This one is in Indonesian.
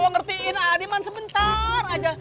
lo ngertiin ah diman sebentar aja